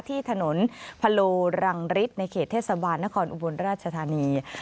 ที่ถนนพะโลรังฤทธิ์ในเขตเทศบาลนครอุบลราชธานี